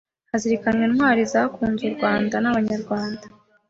hazirikanwa Intwari zakunze u Rwanda n, abanyarwanda